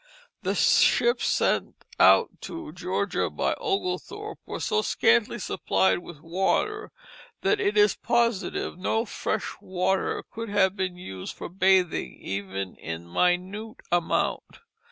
The ships sent out to Georgia by Oglethorpe were so scantily supplied with water that it is positive no fresh water could have been used for bathing even in minute amount.